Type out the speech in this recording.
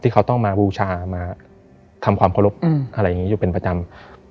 เขาต้องมาบูชามาทำความเคารพอะไรอย่างนี้อยู่เป็นประจำ